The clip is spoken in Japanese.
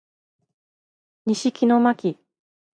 西木野真姫